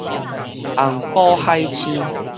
紅寶海星